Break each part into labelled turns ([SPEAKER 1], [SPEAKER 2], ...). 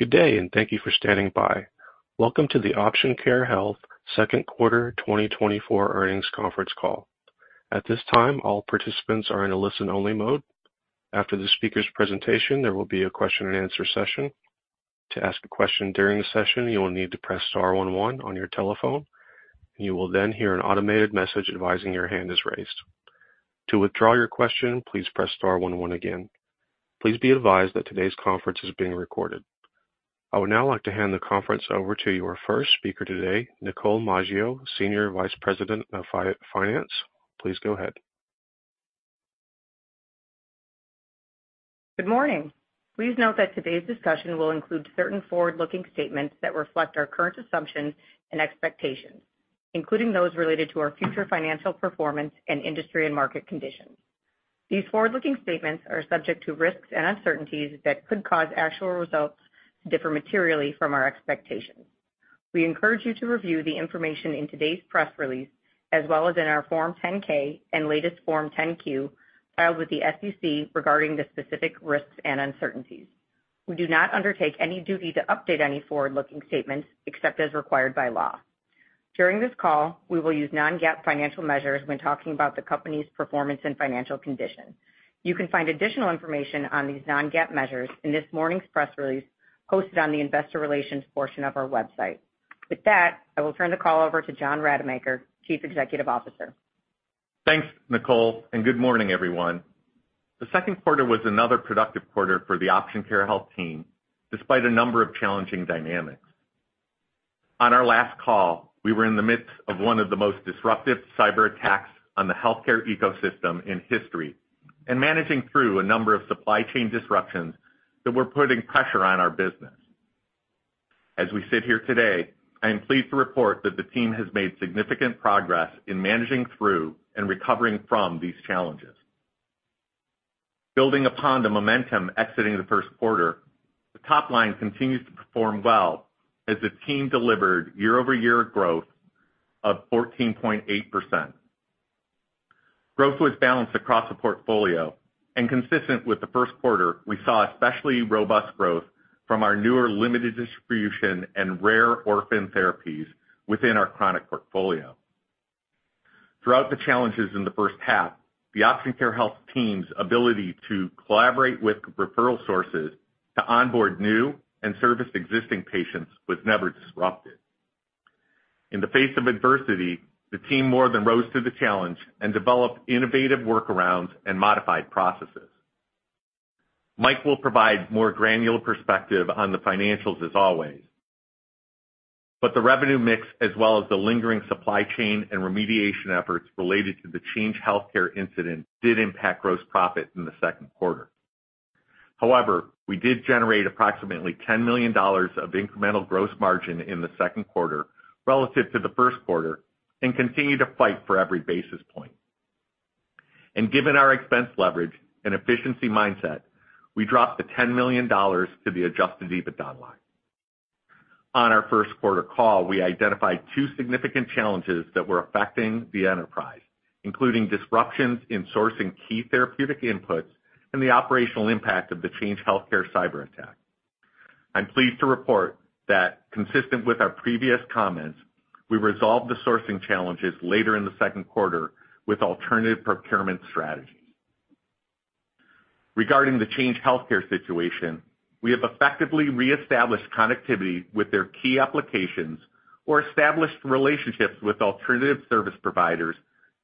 [SPEAKER 1] Good day, and thank you for standing by. Welcome to the Option Care Health Second Quarter 2024 Earnings Conference Call. At this time, all participants are in a listen-only mode. After the speaker's presentation, there will be a question-and-answer session. To ask a question during the session, you will need to press star one one on your telephone, and you will then hear an automated message advising your hand is raised. To withdraw your question, please press star one one again. Please be advised that today's conference is being recorded. I would now like to hand the conference over to your first speaker today, Nicole Maggio, Senior Vice President of Finance. Please go ahead.
[SPEAKER 2] Good morning. Please note that today's discussion will include certain forward-looking statements that reflect our current assumptions and expectations, including those related to our future financial performance and industry and market conditions. These forward-looking statements are subject to risks and uncertainties that could cause actual results to differ materially from our expectations. We encourage you to review the information in today's press release, as well as in our Form 10-K and latest Form 10-Q, filed with the SEC regarding the specific risks and uncertainties. We do not undertake any duty to update any forward-looking statements except as required by law. During this call, we will use non-GAAP financial measures when talking about the company's performance and financial condition. You can find additional information on these non-GAAP measures in this morning's press release posted on the investor relations portion of our website. With that, I will turn the call over to John Rademacher, Chief Executive Officer.
[SPEAKER 3] Thanks, Nicole, and good morning, everyone. The second quarter was another productive quarter for the Option Care Health team, despite a number of challenging dynamics. On our last call, we were in the midst of one of the most disruptive cyberattacks on the healthcare ecosystem in history and managing through a number of supply chain disruptions that were putting pressure on our business. As we sit here today, I am pleased to report that the team has made significant progress in managing through and recovering from these challenges. Building upon the momentum exiting the first quarter, the top line continues to perform well as the team delivered year-over-year growth of 14.8%. Growth was balanced across the portfolio and consistent with the first quarter, we saw especially robust growth from our newer limited distribution and rare orphan therapies within our chronic portfolio. Throughout the challenges in the first half, the Option Care Health team's ability to collaborate with referral sources to onboard new and service existing patients was never disrupted. In the face of adversity, the team more than rose to the challenge and developed innovative workarounds and modified processes. Mike will provide more granular perspective on the financials as always, but the revenue mix, as well as the lingering supply chain and remediation efforts related to the Change Healthcare incident, did impact gross profit in the second quarter. However, we did generate approximately $10 million of incremental gross margin in the second quarter relative to the first quarter and continue to fight for every basis point. Given our expense leverage and efficiency mindset, we dropped the $10 million to the Adjusted EBITDA line. On our first quarter call, we identified two significant challenges that were affecting the enterprise, including disruptions in sourcing key therapeutic inputs and the operational impact of the Change Healthcare cyberattack. I'm pleased to report that, consistent with our previous comments, we resolved the sourcing challenges later in the second quarter with alternative procurement strategies. Regarding the Change Healthcare situation, we have effectively reestablished connectivity with their key applications or established relationships with alternative service providers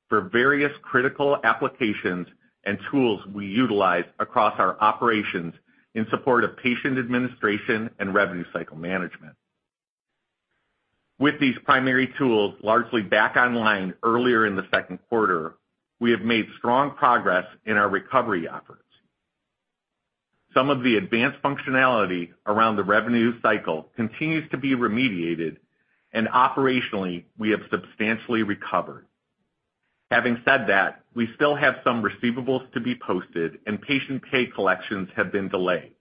[SPEAKER 3] for various critical applications and tools we utilize across our operations in support of patient administration and revenue cycle management. With these primary tools largely back online earlier in the second quarter, we have made strong progress in our recovery efforts. Some of the advanced functionality around the revenue cycle continues to be remediated, and operationally, we have substantially recovered. Having said that, we still have some receivables to be posted, and patient pay collections have been delayed.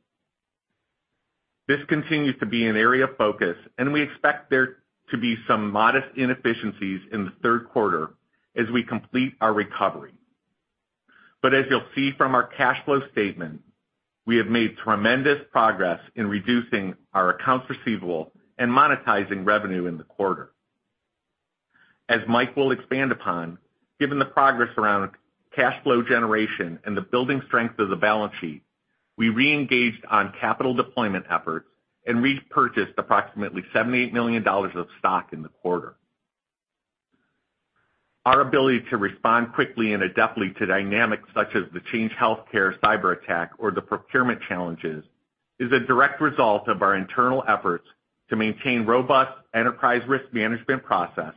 [SPEAKER 3] This continues to be an area of focus, and we expect there to be some modest inefficiencies in the third quarter as we complete our recovery. But as you'll see from our cash flow statement, we have made tremendous progress in reducing our accounts receivable and monetizing revenue in the quarter. As Mike will expand upon, given the progress around cash flow generation and the building strength of the balance sheet, we reengaged on capital deployment efforts and repurchased approximately $78 million of stock in the quarter. Our ability to respond quickly and adeptly to dynamics such as the Change Healthcare cyberattack or the procurement challenges is a direct result of our internal efforts to maintain robust enterprise risk management process,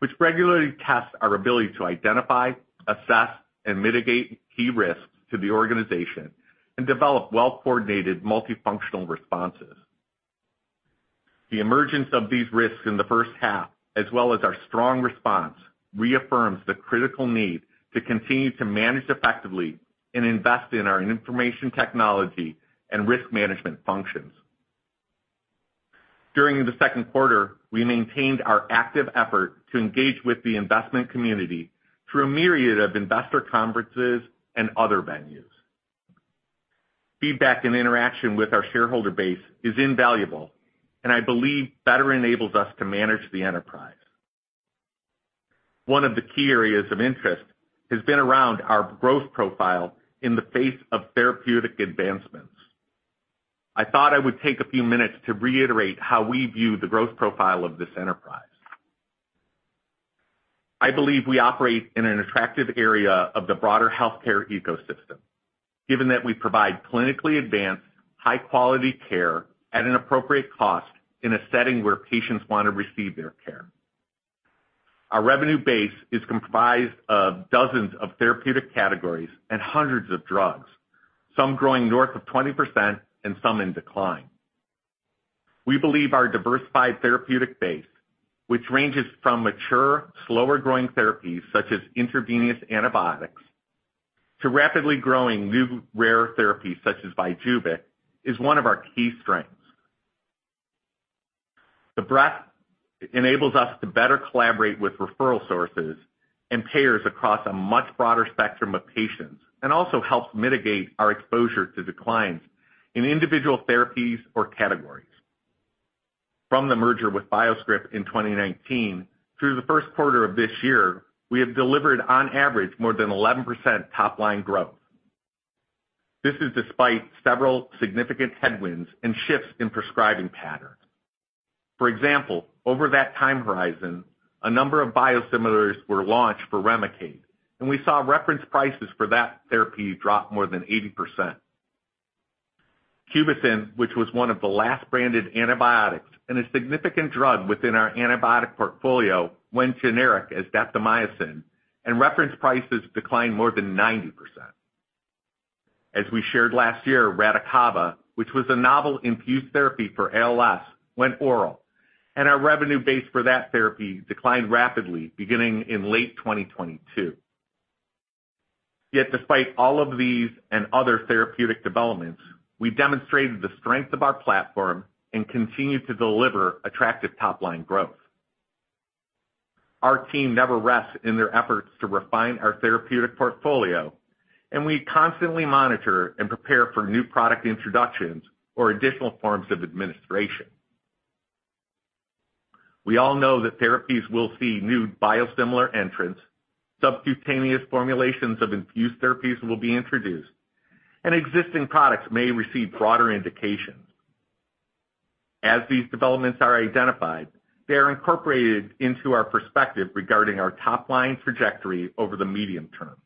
[SPEAKER 3] which regularly tests our ability to identify, assess, and mitigate key risks to the organization and develop well-coordinated multifunctional responses. The emergence of these risks in the first half, as well as our strong response, reaffirms the critical need to continue to manage effectively and invest in our information technology and risk management functions.... During the second quarter, we maintained our active effort to engage with the investment community through a myriad of investor conferences and other venues. Feedback and interaction with our shareholder base is invaluable, and I believe better enables us to manage the enterprise. One of the key areas of interest has been around our growth profile in the face of therapeutic advancements. I thought I would take a few minutes to reiterate how we view the growth profile of this enterprise. I believe we operate in an attractive area of the broader healthcare ecosystem, given that we provide clinically advanced, high-quality care at an appropriate cost in a setting where patients want to receive their care. Our revenue base is comprised of dozens of therapeutic categories and hundreds of drugs, some growing north of 20% and some in decline. We believe our diversified therapeutic base, which ranges from mature, slower growing therapies, such as intravenous antibiotics, to rapidly growing new rare therapies, such as Vyjuvek, is one of our key strengths. The breadth enables us to better collaborate with referral sources and payers across a much broader spectrum of patients, and also helps mitigate our exposure to declines in individual therapies or categories. From the merger with BioScrip in 2019 through the first quarter of this year, we have delivered, on average, more than 11% top line growth. This is despite several significant headwinds and shifts in prescribing patterns. For example, over that time horizon, a number of biosimilars were launched for Remicade, and we saw reference prices for that therapy drop more than 80%. Cubicin, which was one of the last branded antibiotics and a significant drug within our antibiotic portfolio, went generic as daptomycin, and reference prices declined more than 90%. As we shared last year, Radicava, which was a novel infused therapy for ALS, went oral, and our revenue base for that therapy declined rapidly beginning in late 2022. Yet despite all of these and other therapeutic developments, we've demonstrated the strength of our platform and continue to deliver attractive top line growth. Our team never rests in their efforts to refine our therapeutic portfolio, and we constantly monitor and prepare for new product introductions or additional forms of administration. We all know that therapies will see new biosimilar entrants, subcutaneous formulations of infused therapies will be introduced, and existing products may receive broader indications. As these developments are identified, they are incorporated into our perspective regarding our top line trajectory over the medium term.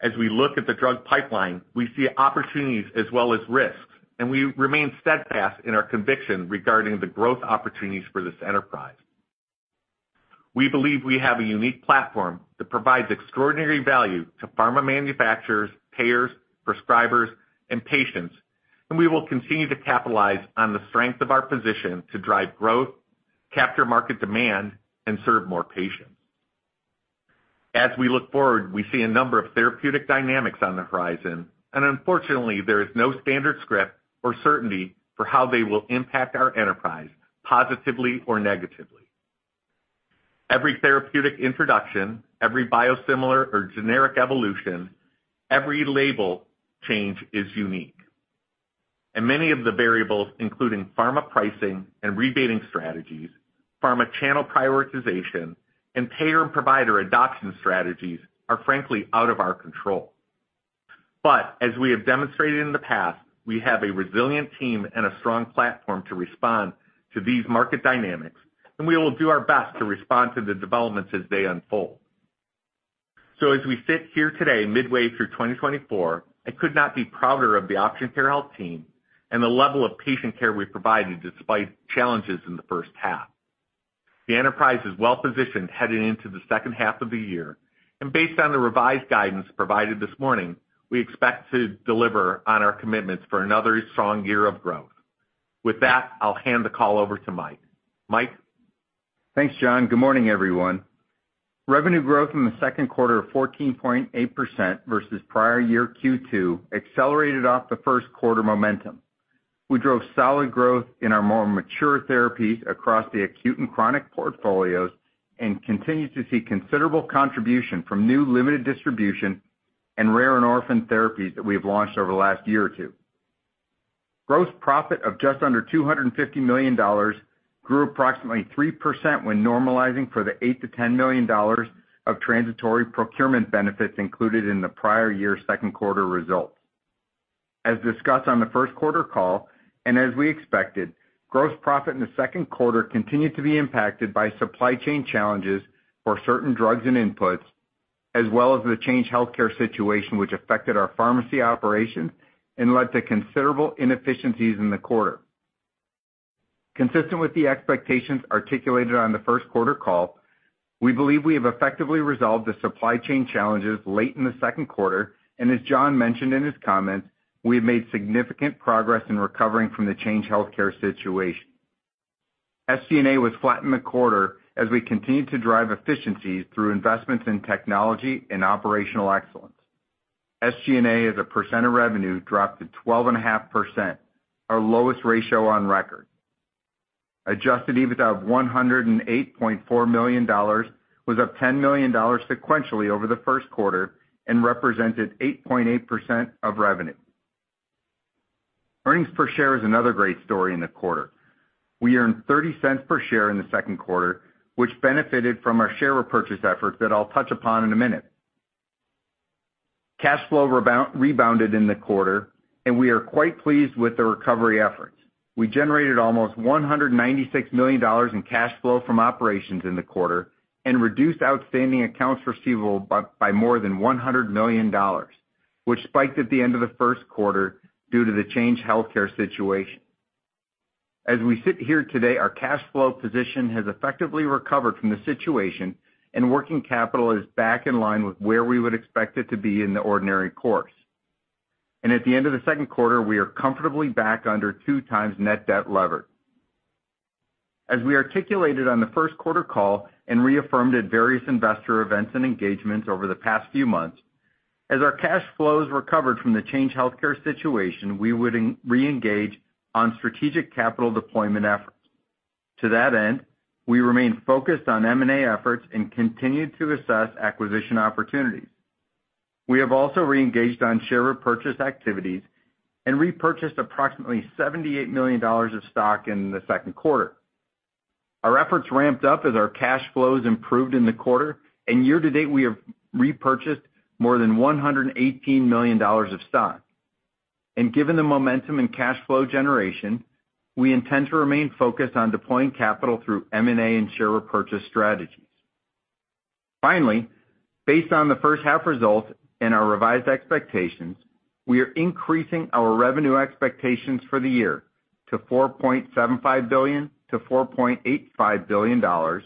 [SPEAKER 3] As we look at the drug pipeline, we see opportunities as well as risks, and we remain steadfast in our conviction regarding the growth opportunities for this enterprise. We believe we have a unique platform that provides extraordinary value to pharma manufacturers, payers, prescribers, and patients, and we will continue to capitalize on the strength of our position to drive growth, capture market demand, and serve more patients. As we look forward, we see a number of therapeutic dynamics on the horizon, and unfortunately, there is no standard script or certainty for how they will impact our enterprise, positively or negatively. Every therapeutic introduction, every biosimilar or generic evolution, every label change is unique, and many of the variables, including pharma pricing and rebating strategies, pharma channel prioritization, and payer and provider adoption strategies, are frankly out of our control. But as we have demonstrated in the past, we have a resilient team and a strong platform to respond to these market dynamics, and we will do our best to respond to the developments as they unfold. So as we sit here today, midway through 2024, I could not be prouder of the Option Care Health team and the level of patient care we provided despite challenges in the first half. The enterprise is well positioned headed into the second half of the year, and based on the revised guidance provided this morning, we expect to deliver on our commitments for another strong year of growth. With that, I'll hand the call over to Mike. Mike?
[SPEAKER 4] Thanks, John. Good morning, everyone. Revenue growth in the second quarter of 14.8% versus prior year Q2 accelerated off the first quarter momentum. We drove solid growth in our more mature therapies across the acute and chronic portfolios and continued to see considerable contribution from new limited distribution and rare and orphan therapies that we have launched over the last year or two. Gross profit of just under $250 million grew approximately 3% when normalizing for the $8 million-$10 million of transitory procurement benefits included in the prior year's second quarter results. As discussed on the first quarter call, and as we expected, gross profit in the second quarter continued to be impacted by supply chain challenges for certain drugs and inputs, as well as the Change Healthcare situation, which affected our pharmacy operation and led to considerable inefficiencies in the quarter. Consistent with the expectations articulated on the first quarter call, we believe we have effectively resolved the supply chain challenges late in the second quarter, and as John mentioned in his comments, we have made significant progress in recovering from the Change Healthcare situation. SG&A was flat in the quarter as we continued to drive efficiencies through investments in technology and operational excellence. SG&A as a percent of revenue dropped to 12.5%, our lowest ratio on record. Adjusted EBITDA of $108.4 million was up $10 million sequentially over the first quarter and represented 8.8% of revenue. Earnings per share is another great story in the quarter. We earned 30 cents per share in the second quarter, which benefited from our share repurchase efforts that I'll touch upon in a minute. Cash flow rebounded in the quarter, and we are quite pleased with the recovery efforts. We generated almost $196 million in cash flow from operations in the quarter and reduced outstanding accounts receivable by more than $100 million, which spiked at the end of the first quarter due to the Change Healthcare situation. As we sit here today, our cash flow position has effectively recovered from the situation, and working capital is back in line with where we would expect it to be in the ordinary course. At the end of the second quarter, we are comfortably back under 2x net debt levered. As we articulated on the first quarter call and reaffirmed at various investor events and engagements over the past few months, as our cash flows recovered from the Change Healthcare situation, we would reengage on strategic capital deployment efforts. To that end, we remain focused on M&A efforts and continue to assess acquisition opportunities. We have also reengaged on share repurchase activities and repurchased approximately $78 million of stock in the second quarter. Our efforts ramped up as our cash flows improved in the quarter, and year to date, we have repurchased more than $118 million of stock. And given the momentum in cash flow generation, we intend to remain focused on deploying capital through M&A and share repurchase strategies. Finally, based on the first half results and our revised expectations, we are increasing our revenue expectations for the year to $4.75 billion-$4.85 billion.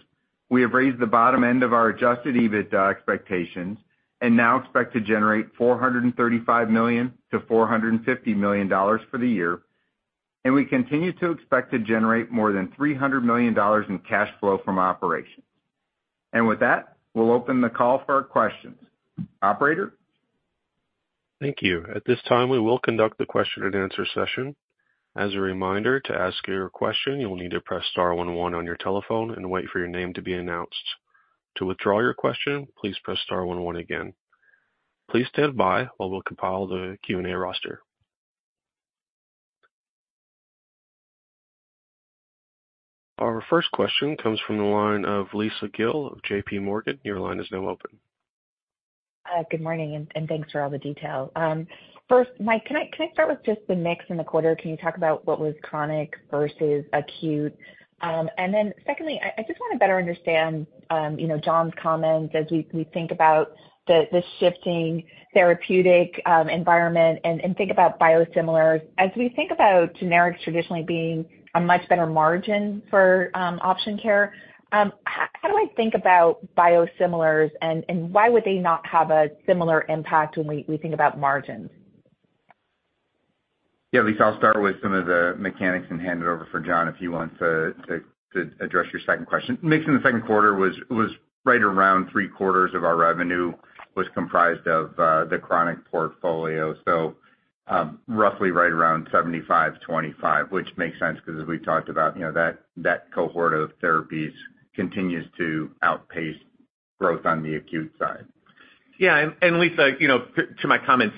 [SPEAKER 4] We have raised the bottom end of our Adjusted EBITDA expectations and now expect to generate $435 million-$450 million for the year, and we continue to expect to generate more than $300 million in cash flow from operations. And with that, we'll open the call for questions. Operator?
[SPEAKER 1] Thank you. At this time, we will conduct the question-and-answer session. As a reminder, to ask your question, you will need to press star one one on your telephone and wait for your name to be announced. To withdraw your question, please press star one one again. Please stand by while we'll compile the Q&A roster. Our first question comes from the line of Lisa Gill of JP Morgan. Your line is now open.
[SPEAKER 5] Good morning, and thanks for all the detail. First, Mike, can I start with just the mix in the quarter? Can you talk about what was chronic versus acute? And then secondly, I just want to better understand, you know, John's comments as we think about the shifting therapeutic environment and think about biosimilars. As we think about generics traditionally being a much better margin for Option Care, how do I think about biosimilars, and why would they not have a similar impact when we think about margins?
[SPEAKER 4] Yeah, Lisa, I'll start with some of the mechanics and hand it over for John if he wants to address your second question. Mix in the second quarter was right around three quarters of our revenue was comprised of the chronic portfolio, so roughly right around 75-25, which makes sense because as we've talked about, you know, that cohort of therapies continues to outpace growth on the acute side.
[SPEAKER 3] Yeah, and Lisa, you know, to my comments,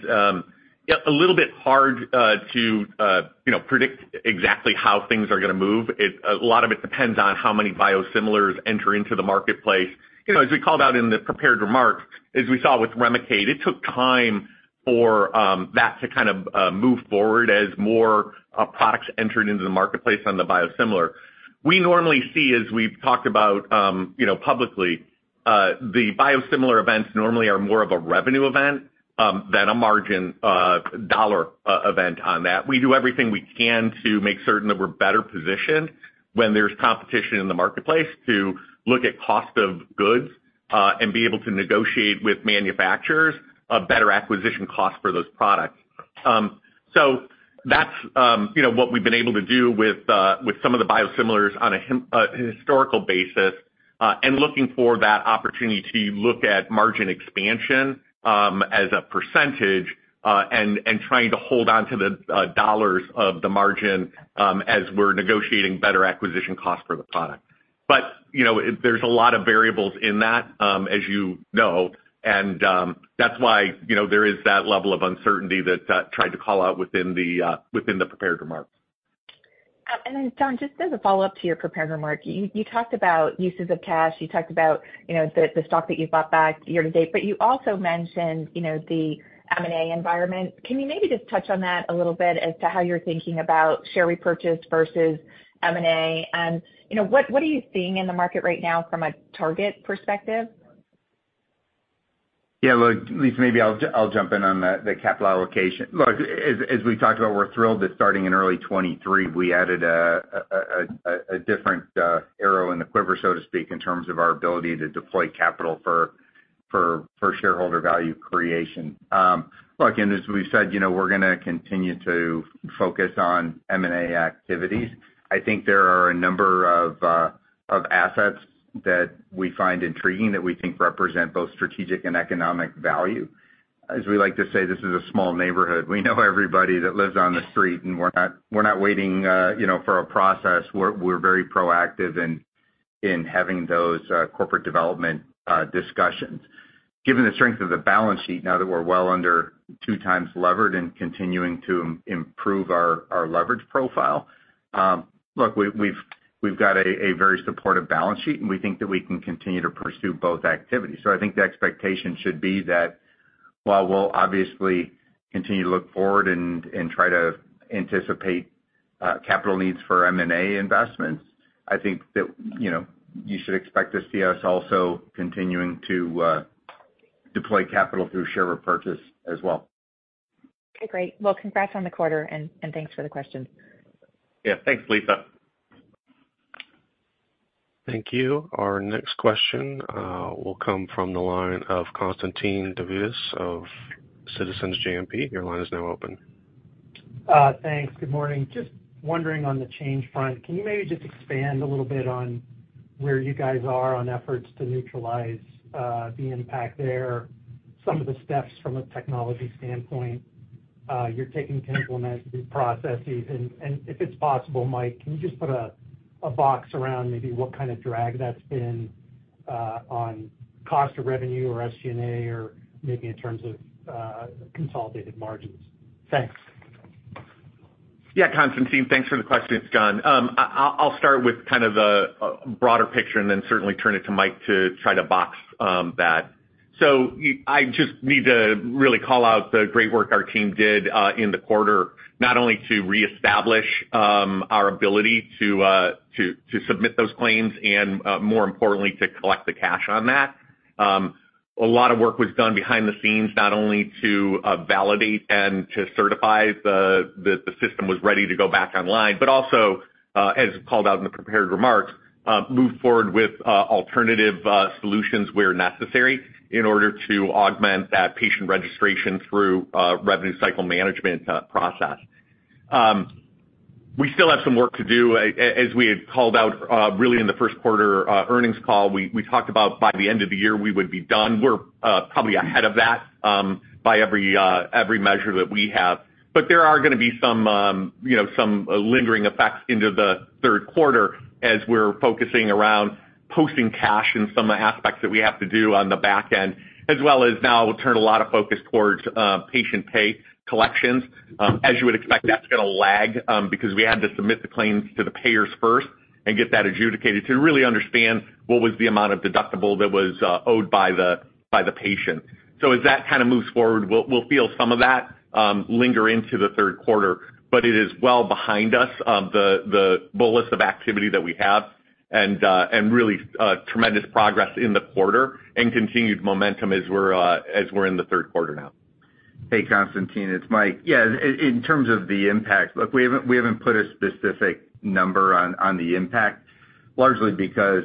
[SPEAKER 3] yeah, a little bit hard to you know, predict exactly how things are going to move. A lot of it depends on how many biosimilars enter into the marketplace. You know, as we called out in the prepared remarks, as we saw with Remicade, it took time for that to kind of move forward as more products entered into the marketplace on the biosimilar. We normally see, as we've talked about, you know, publicly, the biosimilar events normally are more of a revenue event than a margin dollar event on that. We do everything we can to make certain that we're better positioned when there's competition in the marketplace to look at cost of goods, and be able to negotiate with manufacturers a better acquisition cost for those products. So that's, you know, what we've been able to do with, with some of the biosimilars on a historical basis, and looking for that opportunity to look at margin expansion, as a percentage, and, and trying to hold on to the, dollars of the margin, as we're negotiating better acquisition costs for the product. But, you know, there's a lot of variables in that, as you know, and, that's why, you know, there is that level of uncertainty that tried to call out within the, within the prepared remarks.
[SPEAKER 5] And then, John, just as a follow-up to your prepared remarks, you, you talked about uses of cash, you talked about, you know, the, the stock that you bought back year to date, but you also mentioned, you know, the M&A environment. Can you maybe just touch on that a little bit as to how you're thinking about share repurchase versus M&A? And, you know, what, what are you seeing in the market right now from a target perspective?
[SPEAKER 4] Yeah, look, Lisa, maybe I'll jump in on the capital allocation. Look, as we talked about, we're thrilled that starting in early 2023, we added a different arrow in the quiver, so to speak, in terms of our ability to deploy capital for-... for shareholder value creation. Look, and as we've said, you know, we're gonna continue to focus on M&A activities. I think there are a number of assets that we find intriguing that we think represent both strategic and economic value. As we like to say, this is a small neighborhood. We know everybody that lives on the street, and we're not waiting, you know, for a process. We're very proactive in having those corporate development discussions. Given the strength of the balance sheet, now that we're well under 2x levered and continuing to improve our leverage profile, look, we've got a very supportive balance sheet, and we think that we can continue to pursue both activities. So I think the expectation should be that while we'll obviously continue to look forward and try to anticipate capital needs for M&A investments, I think that, you know, you should expect to see us also continuing to deploy capital through share repurchase as well.
[SPEAKER 5] Okay, great. Well, congrats on the quarter, and thanks for the questions.
[SPEAKER 3] Yeah. Thanks, Lisa.
[SPEAKER 1] Thank you. Our next question will come from the line of Constantine Davides of Citizens JMP. Your line is now open.
[SPEAKER 6] Thanks. Good morning. Just wondering on the change front, can you maybe just expand a little bit on where you guys are on efforts to neutralize the impact there, some of the steps from a technology standpoint you're taking to implement new processes? And if it's possible, Mike, can you just put a box around maybe what kind of drag that's been on cost of revenue or SG&A or maybe in terms of consolidated margins? Thanks.
[SPEAKER 3] Yeah, Constantine, thanks for the question. It's John. I'll start with kind of the broader picture, and then certainly turn it to Mike to try to box that. So, I just need to really call out the great work our team did in the quarter, not only to reestablish our ability to submit those claims and, more importantly, to collect the cash on that. A lot of work was done behind the scenes, not only to validate and to certify the system was ready to go back online, but also, as called out in the prepared remarks, move forward with alternative solutions where necessary in order to augment that patient registration through revenue cycle management process. We still have some work to do. As we had called out, really in the first quarter earnings call, we talked about by the end of the year, we would be done. We're probably ahead of that, by every measure that we have. But there are gonna be some, you know, some lingering effects into the third quarter as we're focusing around posting cash in some aspects that we have to do on the back end, as well as now we'll turn a lot of focus towards patient pay collections. As you would expect, that's gonna lag, because we had to submit the claims to the payers first and get that adjudicated to really understand what was the amount of deductible that was owed by the patient. So as that kind of moves forward, we'll feel some of that linger into the third quarter, but it is well behind us, the bolus of activity that we have, and really tremendous progress in the quarter and continued momentum as we're in the third quarter now.
[SPEAKER 4] Hey, Constantine, it's Mike. Yeah, in terms of the impact, look, we haven't put a specific number on the impact, largely because,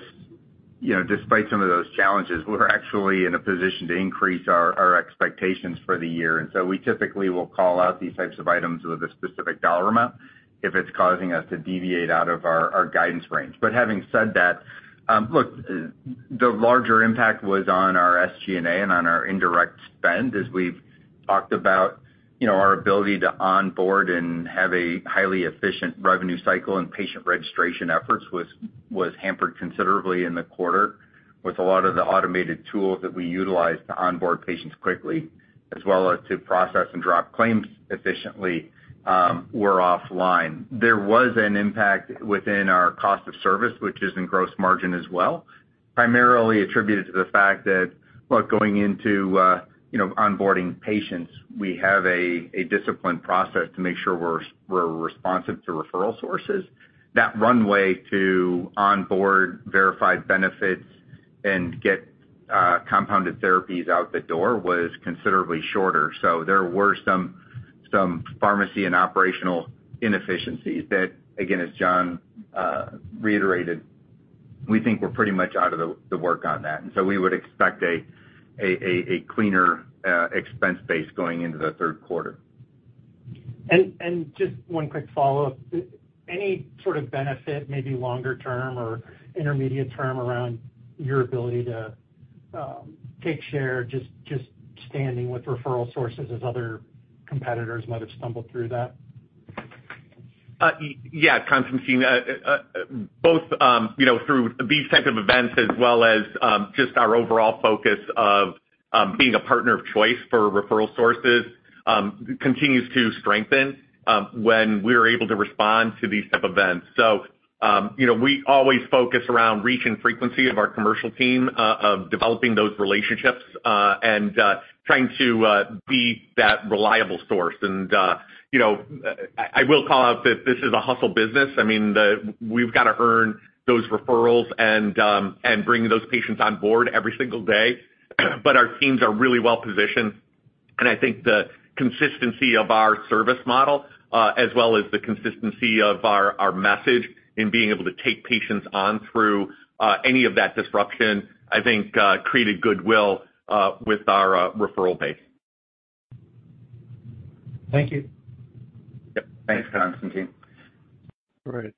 [SPEAKER 4] you know, despite some of those challenges, we're actually in a position to increase our expectations for the year. And so we typically will call out these types of items with a specific dollar amount if it's causing us to deviate out of our guidance range. But having said that, look, the larger impact was on our SG&A and on our indirect spend. As we've talked about, you know, our ability to onboard and have a highly efficient revenue cycle and patient registration efforts was hampered considerably in the quarter with a lot of the automated tools that we utilize to onboard patients quickly, as well as to process and drop claims efficiently were offline. There was an impact within our cost of service, which is in gross margin as well, primarily attributed to the fact that, look, going into, you know, onboarding patients, we have a disciplined process to make sure we're responsive to referral sources. That runway to onboard verified benefits and get compounded therapies out the door was considerably shorter. So there were some pharmacy and operational inefficiencies that, again, as John reiterated, we think we're pretty much out of the work on that, and so we would expect a cleaner expense base going into the third quarter.
[SPEAKER 6] And just one quick follow-up. Any sort of benefit, maybe longer term or intermediate term, around your ability to take share, just standing with referral sources as other competitors might have stumbled through that?
[SPEAKER 3] Yeah, Constantine, both, you know, through these type of events, as well as, just our overall focus of, being a partner of choice for referral sources, continues to strengthen, when we're able to respond to these type of events. So, you know, we always focus around reach and frequency of our commercial team, of developing those relationships, and, trying to, be that reliable source. And, you know, I will call out that this is a hustle business. I mean, we've got to earn those referrals and, and bring those patients on board every single day. But our teams are really well positioned-... I think the consistency of our service model, as well as the consistency of our message in being able to take patients on through any of that disruption, I think, created goodwill with our referral base.
[SPEAKER 6] Thank you.
[SPEAKER 3] Yep. Thanks, Constantine.
[SPEAKER 1] All right.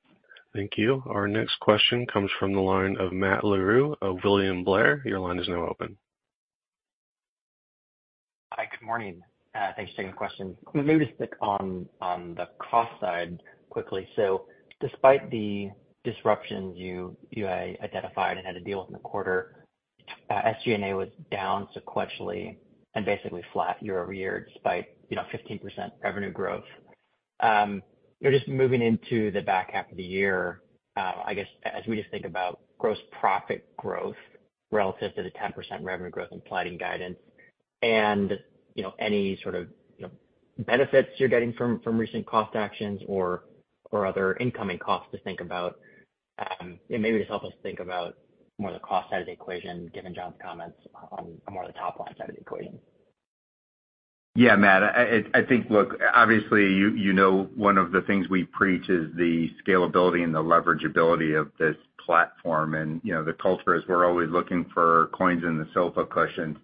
[SPEAKER 1] Thank you. Our next question comes from the line of Matt Larew of William Blair. Your line is now open.
[SPEAKER 7] Hi, good morning. Thanks for taking the question. Maybe to stick on the cost side quickly. So despite the disruptions you identified and had to deal with in the quarter, SG&A was down sequentially and basically flat year-over-year, despite, you know, 15% revenue growth. You're just moving into the back half of the year. I guess, as we just think about gross profit growth relative to the 10% revenue growth implied in guidance and, you know, any sort of benefits you're getting from recent cost actions or other incoming costs to think about. And maybe just help us think about more of the cost side of the equation, given John's comments on more of the top line side of the equation.
[SPEAKER 4] Yeah, Matt, I think, look, obviously, you know, one of the things we preach is the scalability and the leverageability of this platform. And, you know, the culture is we're always looking for coins in the sofa cushions.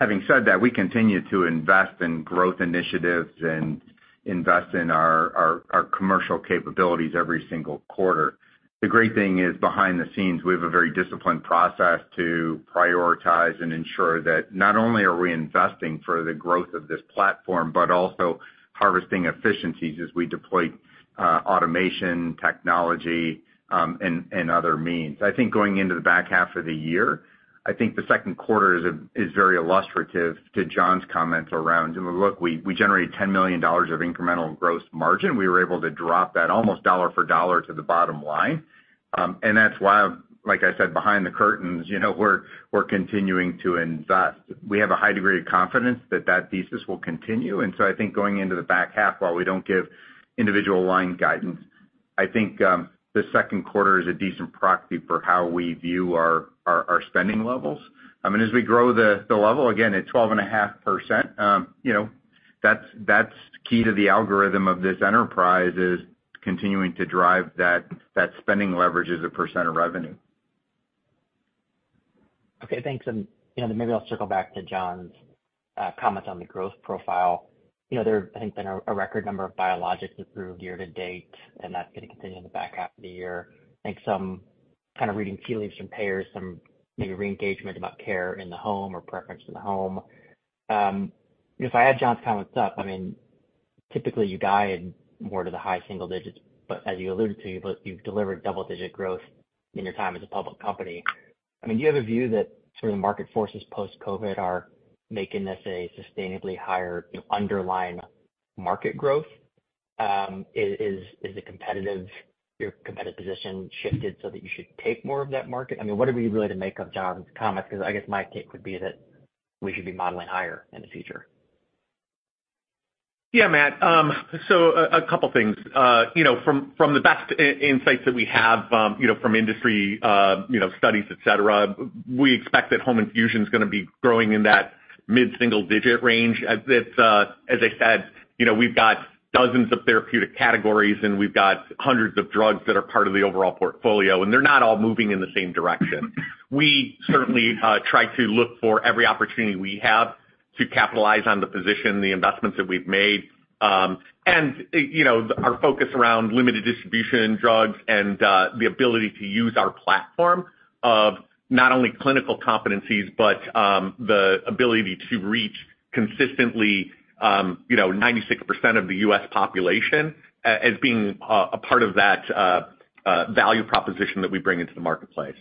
[SPEAKER 4] Having said that, we continue to invest in growth initiatives and invest in our commercial capabilities every single quarter. The great thing is, behind the scenes, we have a very disciplined process to prioritize and ensure that not only are we investing for the growth of this platform, but also harvesting efficiencies as we deploy automation, technology, and other means. I think going into the back half of the year, I think the second quarter is very illustrative to John's comments around... And look, we generate $10 million of incremental gross margin. We were able to drop that almost dollar for dollar to the bottom line. And that's why, like I said, behind the curtains, you know, we're continuing to invest. We have a high degree of confidence that that thesis will continue. And so I think going into the back half, while we don't give individual line guidance, I think the second quarter is a decent proxy for how we view our spending levels. I mean, as we grow the level, again, at 12.5%, you know, that's key to the algorithm of this enterprise, is continuing to drive that spending leverage as a percent of revenue.
[SPEAKER 7] Okay, thanks. And, you know, then maybe I'll circle back to John's comments on the growth profile. You know, there, I think, been a record number of biologics approved year to date, and that's going to continue in the back half of the year. I think some kind of reading tea leaves from payers, some maybe re-engagement about care in the home or preference in the home. If I add John's comments up, I mean, typically you guide more to the high single digits, but as you alluded to, you've delivered double-digit growth in your time as a public company. I mean, do you have a view that sort of the market forces post-COVID are making this a sustainably higher, you know, underlying market growth? Is it competitive—your competitive position shifted so that you should take more of that market? I mean, what are we really to make of John's comments? Because I guess my take would be that we should be modeling higher in the future.
[SPEAKER 3] Yeah, Matt. So a couple things. You know, from the best insights that we have, you know, from industry, you know, studies, et cetera, we expect that home infusion is going to be growing in that mid-single digit range. As it's, as I said, you know, we've got dozens of therapeutic categories, and we've got hundreds of drugs that are part of the overall portfolio, and they're not all moving in the same direction. We certainly try to look for every opportunity we have to capitalize on the position, the investments that we've made. And, you know, our focus around limited distribution drugs and the ability to use our platform of not only clinical competencies, but the ability to reach consistently, you know, 96% of the U.S. population as being a part of that value proposition that we bring into the marketplace.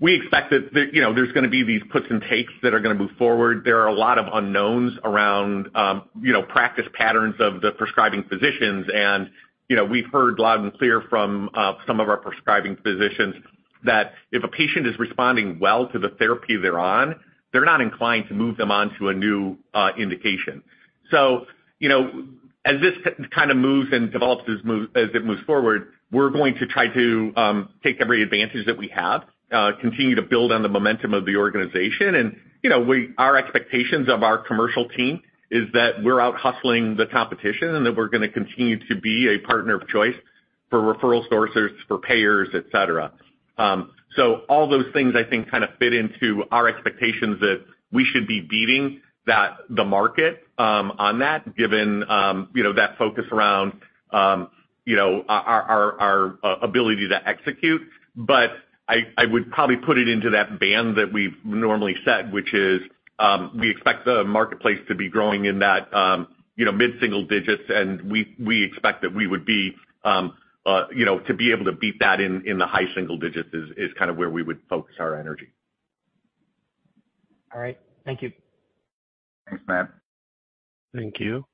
[SPEAKER 3] We expect that there, you know, there's going to be these puts and takes that are going to move forward. There are a lot of unknowns around, you know, practice patterns of the prescribing physicians. And, you know, we've heard loud and clear from some of our prescribing physicians that if a patient is responding well to the therapy they're on, they're not inclined to move them onto a new indication. So, you know, as this kind of moves and develops, as it moves forward, we're going to try to take every advantage that we have, continue to build on the momentum of the organization. And, you know, our expectations of our commercial team is that we're out hustling the competition, and that we're going to continue to be a partner of choice for referral sources, for payers, et cetera. So all those things, I think, kind of fit into our expectations that we should be beating that, the market, on that, given, you know, that focus around, you know, our ability to execute. But I would probably put it into that band that we've normally set, which is, we expect the marketplace to be growing in that, you know, mid-single digits, and we expect that we would be, you know, to be able to beat that in the high single digits is kind of where we would focus our energy.
[SPEAKER 7] All right. Thank you.
[SPEAKER 3] Thanks, Matt.
[SPEAKER 1] Thank you.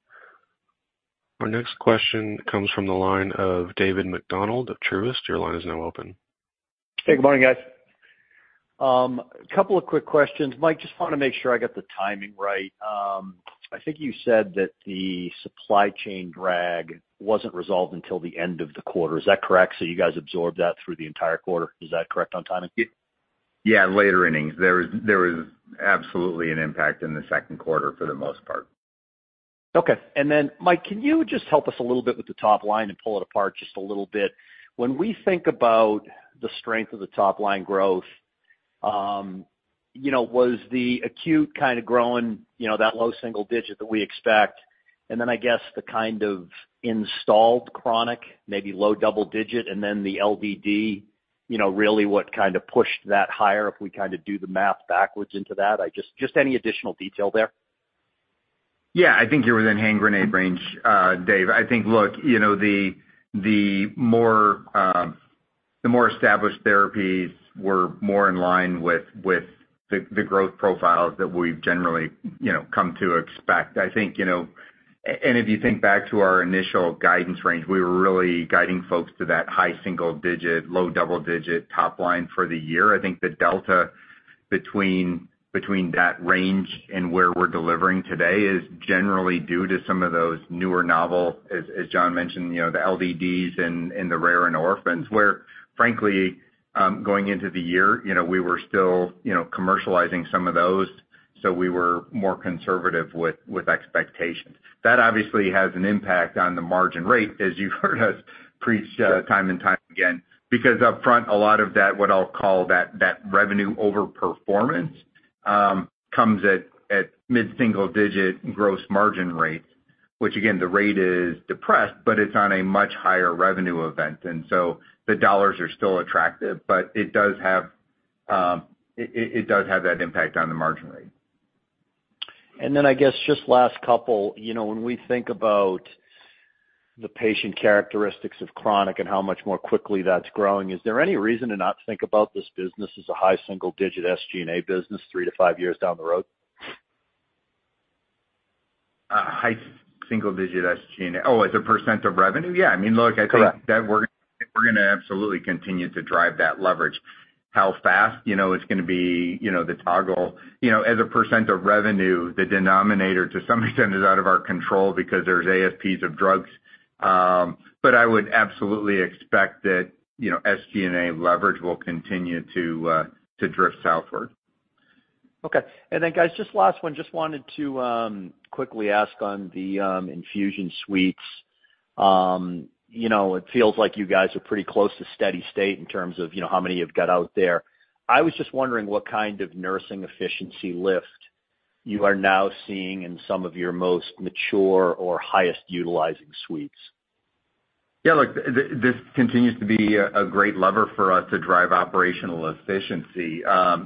[SPEAKER 1] Our next question comes from the line of David MacDonald of Truist. Your line is now open.
[SPEAKER 8] Hey, good morning, guys. A couple of quick questions. Mike, just want to make sure I got the timing right. I think you said that the supply chain drag wasn't resolved until the end of the quarter. Is that correct? So you guys absorbed that through the entire quarter. Is that correct on timing?...
[SPEAKER 4] Yeah, later innings. There was absolutely an impact in the second quarter for the most part.
[SPEAKER 8] Okay. And then, Mike, can you just help us a little bit with the top line and pull it apart just a little bit? When we think about the strength of the top-line growth, you know, was the acute kind of growing, you know, that low single digit that we expect, and then I guess, the kind of installed chronic, maybe low double digit, and then the LDD, you know, really what kind of pushed that higher, if we kind of do the math backwards into that? I just any additional detail there.
[SPEAKER 4] Yeah, I think you're within hand grenade range, Dave. I think, look, you know, the, the more, the more established therapies were more in line with, with the, the growth profiles that we've generally, you know, come to expect. I think, you know, and if you think back to our initial guidance range, we were really guiding folks to that high single digit, low double digit top line for the year. I think the delta between, between that range and where we're delivering today is generally due to some of those newer novel, as, as John mentioned, you know, the LDDs and, and the rare and orphans, where, frankly, going into the year, you know, we were still, you know, commercializing some of those, so we were more conservative with, with expectations. That obviously has an impact on the margin rate, as you've heard us preach time and time again, because upfront, a lot of that, what I'll call that, that revenue overperformance comes at mid-single digit gross margin rates, which again, the rate is depressed, but it's on a much higher revenue event, and so the dollars are still attractive, but it does have that impact on the margin rate.
[SPEAKER 8] And then I guess just last couple, you know, when we think about the patient characteristics of chronic and how much more quickly that's growing, is there any reason to not think about this business as a high single digit SG&A business, 3-5 years down the road?
[SPEAKER 4] A high single digit SG&A? Oh, as a percent of revenue? Yeah. I mean, look-
[SPEAKER 8] Correct.
[SPEAKER 4] I think that we're gonna absolutely continue to drive that leverage. How fast? You know, it's gonna be, you know, the toggle. You know, as a percent of revenue, the denominator, to some extent, is out of our control because there's ASPs of drugs. But I would absolutely expect that, you know, SG&A leverage will continue to drift southward.
[SPEAKER 8] Okay. And then guys, just last one, just wanted to quickly ask on the infusion suites. You know, it feels like you guys are pretty close to steady state in terms of, you know, how many you've got out there. I was just wondering what kind of nursing efficiency lift you are now seeing in some of your most mature or highest utilizing suites.
[SPEAKER 4] Yeah, look, this continues to be a great lever for us to drive operational efficiency.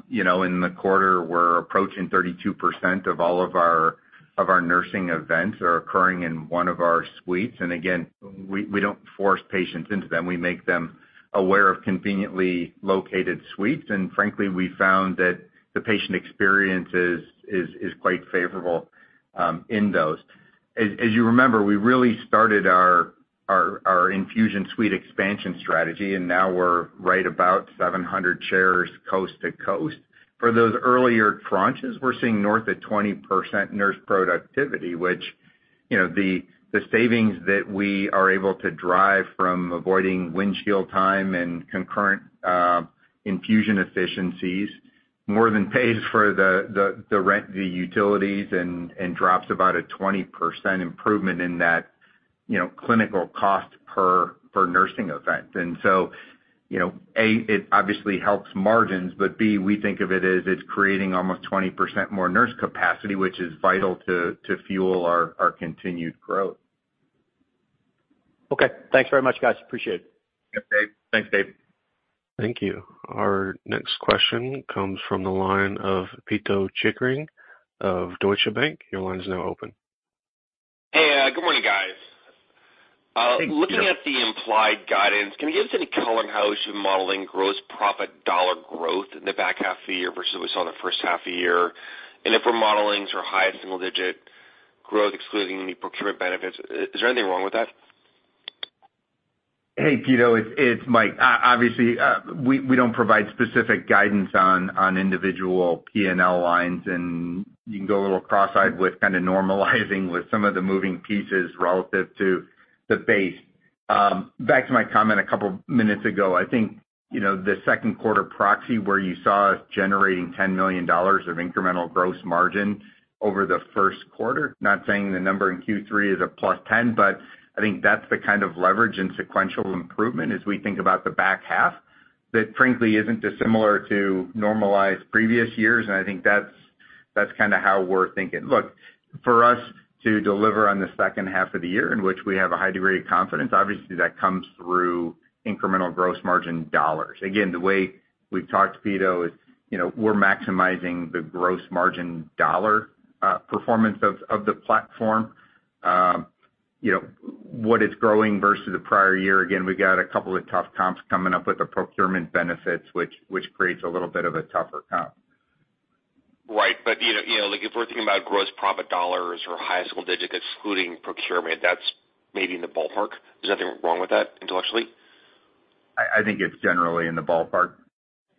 [SPEAKER 4] You know, in the quarter, we're approaching 32% of all of our nursing events are occurring in one of our suites. And again, we don't force patients into them. We make them aware of conveniently located suites, and frankly, we found that the patient experience is quite favorable in those. As you remember, we really started our infusion suite expansion strategy, and now we're right about 700 chairs coast to coast. For those earlier tranches, we're seeing north of 20% nurse productivity, which, you know, the savings that we are able to drive from avoiding windshield time and concurrent infusion efficiencies, more than pays for the rent, the utilities, and drops about a 20% improvement in that, you know, clinical cost per nursing event. And so, you know, A, it obviously helps margins, but B, we think of it as it's creating almost 20% more nurse capacity, which is vital to fuel our continued growth.
[SPEAKER 8] Okay. Thanks very much, guys. Appreciate it.
[SPEAKER 3] Yep, Dave.
[SPEAKER 4] Thanks, Dave.
[SPEAKER 1] Thank you. Our next question comes from the line of Pito Chickering of Deutsche Bank. Your line is now open.
[SPEAKER 9] Hey, good morning, guys.
[SPEAKER 4] Hey, Pito.
[SPEAKER 9] Looking at the implied guidance, can you give us any color on how you're modeling gross profit dollar growth in the back half of the year versus what we saw in the first half of the year? And if we're modeling for high single-digit growth, excluding any procurement benefits, is there anything wrong with that?
[SPEAKER 4] Hey, Pito, it's Mike. Obviously, we don't provide specific guidance on individual P&L lines, and you can go a little cross-eyed with kind of normalizing with some of the moving pieces relative to the base. Back to my comment a couple minutes ago, I think, you know, the second quarter proxy, where you saw us generating $10 million of incremental gross margin over the first quarter, not saying the number in Q3 is +10, but I think that's the kind of leverage and sequential improvement as we think about the back half, that frankly isn't dissimilar to normalized previous years, and I think that's kind of how we're thinking. Look, for us to deliver on the second half of the year, in which we have a high degree of confidence, obviously that comes through incremental gross margin dollars. Again, the way we've talked, Pito, is, you know, we're maximizing the gross margin dollar performance of the platform. You know, what is growing versus the prior year, again, we've got a couple of tough comps coming up with the procurement benefits, which creates a little bit of a tougher comp.
[SPEAKER 9] Right. But, you know, you know, like, if we're thinking about gross profit dollars or high single digit, excluding procurement, that's maybe in the ballpark? There's nothing wrong with that, intellectually?
[SPEAKER 4] I think it's generally in the ballpark.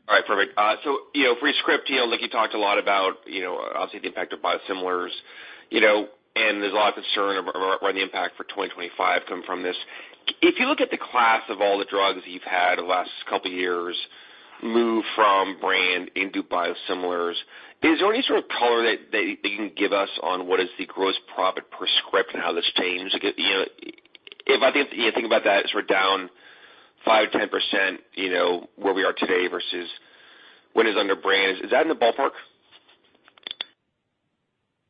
[SPEAKER 9] All right, perfect. So, you know, for BioScrip, you know, like you talked a lot about, you know, obviously the impact of biosimilars, you know, and there's a lot of concern around the impact for 2025 coming from this.... If you look at the class of all the drugs you've had the last couple of years move from brand into biosimilars, is there any sort of color that you can give us on what is the gross profit per script and how this changes? You know, if I think, you think about that as we're down 5%-10%, you know, where we are today versus what is under brand, is that in the ballpark?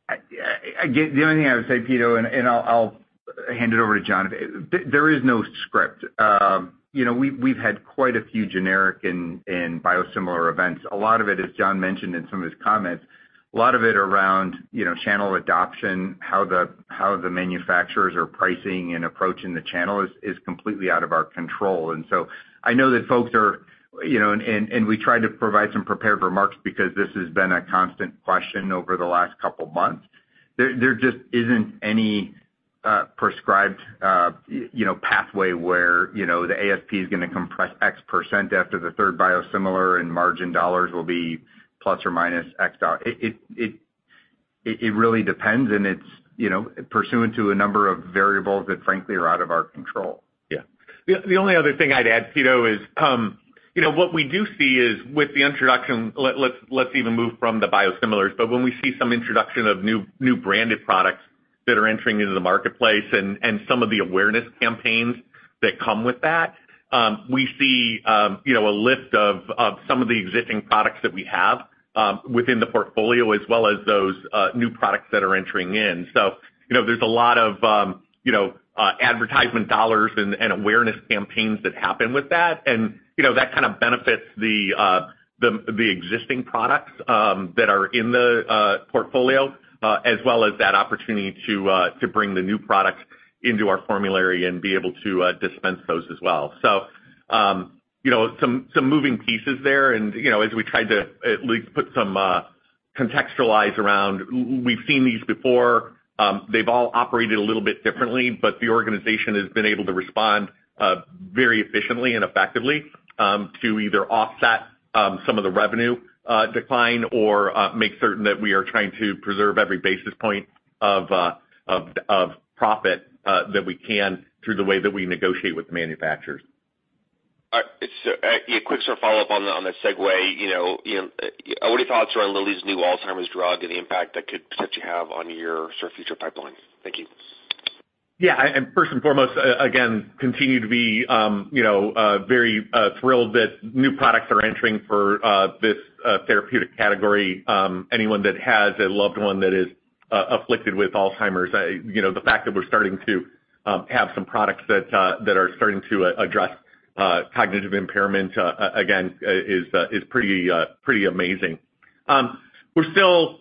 [SPEAKER 4] I again, the only thing I would say, Pito, and I'll hand it over to John. There is no script. You know, we've had quite a few generic and biosimilar events. A lot of it, as John mentioned in some of his comments, a lot of it around, you know, channel adoption, how the manufacturers are pricing and approaching the channel is completely out of our control. And so I know that folks are, you know, and we try to provide some prepared remarks because this has been a constant question over the last couple of months. There just isn't any prescribed, you know, pathway where, you know, the ASP is going to compress X percent after the third biosimilar and margin dollars will be plus or minus X dollar. It really depends, and it's, you know, pursuant to a number of variables that, frankly, are out of our control.
[SPEAKER 3] Yeah. The only other thing I'd add, Peter, is, you know, what we do see is with the introduction. Let's even move from the biosimilars. But when we see some introduction of new branded products that are entering into the marketplace and some of the awareness campaigns that come with that, we see, you know, a lift of some of the existing products that we have within the portfolio, as well as those new products that are entering in. So, you know, there's a lot of, you know, advertisement dollars and awareness campaigns that happen with that. And, you know, that kind of benefits the existing products that are in the portfolio as well as that opportunity to bring the new products into our formulary and be able to dispense those as well. So, you know, some moving pieces there. And, you know, as we tried to at least put some contextualize around, we've seen these before, they've all operated a little bit differently, but the organization has been able to respond very efficiently and effectively to either offset some of the revenue decline or make certain that we are trying to preserve every basis point of profit that we can through the way that we negotiate with the manufacturers.
[SPEAKER 9] All right. So, yeah, a quick sort of follow-up on the, on the segue. You know, what are your thoughts around Lilly's new Alzheimer's drug and the impact that could potentially have on your sort of future pipeline? Thank you.
[SPEAKER 3] Yeah, and first and foremost, again, continue to be, you know, very thrilled that new products are entering for this therapeutic category. Anyone that has a loved one that is afflicted with Alzheimer's, you know, the fact that we're starting to have some products that are starting to address cognitive impairment, again, is pretty amazing. We're still,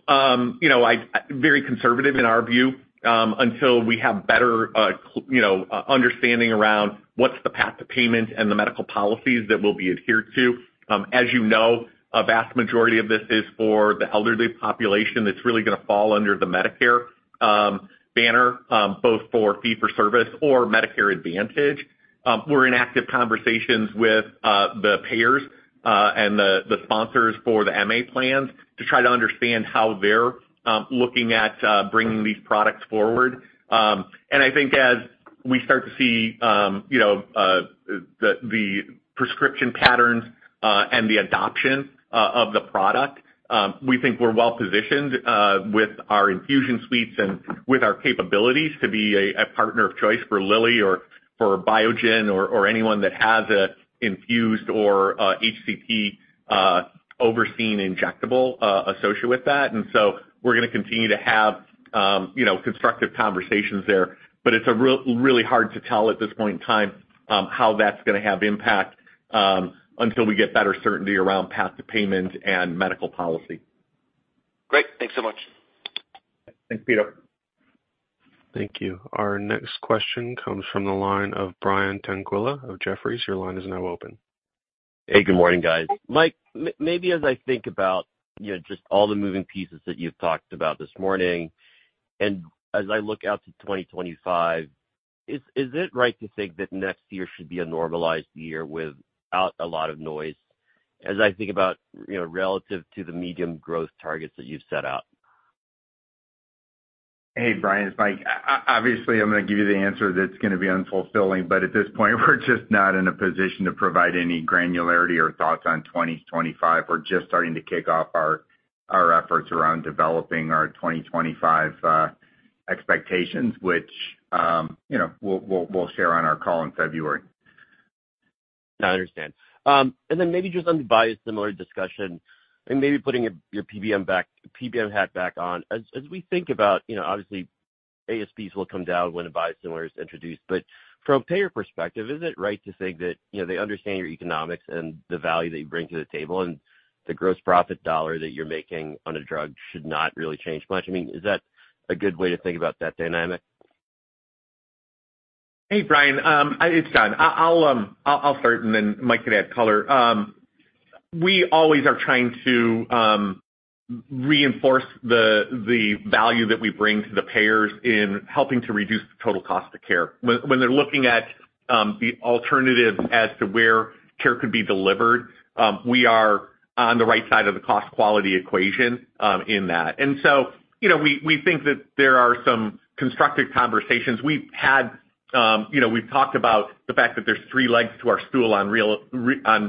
[SPEAKER 3] you know, very conservative in our view, until we have better you know, understanding around what's the path to payment and the medical policies that will be adhered to. As you know, a vast majority of this is for the elderly population that's really going to fall under the Medicare banner, both for fee-for-service or Medicare Advantage. We're in active conversations with the payers, and the sponsors for the MA plans to try to understand how they're looking at bringing these products forward. And I think as we start to see, you know, the prescription patterns, and the adoption of the product, we think we're well positioned with our infusion suites and with our capabilities to be a partner of choice for Lilly or for Biogen or anyone that has a infused or HCP overseen injectable associated with that. And so we're going to continue to have, you know, constructive conversations there. But it's really hard to tell at this point in time how that's going to have impact until we get better certainty around path to payment and medical policy.
[SPEAKER 9] Great. Thanks so much.
[SPEAKER 3] Thanks, Peter.
[SPEAKER 1] Thank you. Our next question comes from the line of Brian Tanquilut of Jefferies. Your line is now open.
[SPEAKER 10] Hey, good morning, guys. Mike, maybe as I think about, you know, just all the moving pieces that you've talked about this morning, and as I look out to 2025, is it right to think that next year should be a normalized year without a lot of noise? As I think about, you know, relative to the medium growth targets that you've set out.
[SPEAKER 4] Hey, Brian, it's Mike. Obviously, I'm going to give you the answer that's going to be unfulfilling, but at this point, we're just not in a position to provide any granularity or thoughts on 2025. We're just starting to kick off our efforts around developing our 2025 expectations, which, you know, we'll share on our call in February.
[SPEAKER 10] No, I understand. And then maybe just on the biosimilar discussion, and maybe putting your PBM hat back on. As we think about, you know, obviously, ASPs will come down when a biosimilar is introduced, but from a payer perspective, is it right to think that, you know, they understand your economics and the value that you bring to the table, and the gross profit dollar that you're making on a drug should not really change much? I mean, is that a good way to think about that dynamic?
[SPEAKER 8] Hey, Brian, it's Don. I'll start, and then Mike can add color. We always are trying to reinforce the value that we bring to the payers in helping to reduce the total cost of care. When they're looking at the alternative as to where care could be delivered, we are on the right side of the cost quality equation, in that. And so, you know, we think that there are some constructive conversations. We've had, you know, we've talked about the fact that there's three legs to our stool on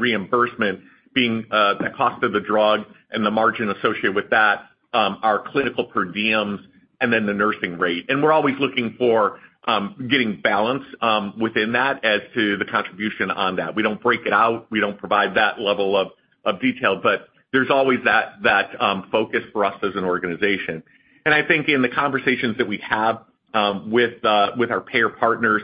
[SPEAKER 8] reimbursement, being the cost of the drug and the margin associated with that, our clinical per diems, and then the nursing rate. And we're always looking for getting balance within that as to the contribution on that. We don't break it out. We don't provide that level of detail, but there's always that focus for us as an organization. And I think in the conversations that we have with our payer partners,